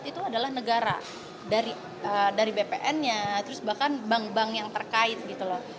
itu adalah negara dari bpn nya terus bahkan bank bank yang terkait gitu loh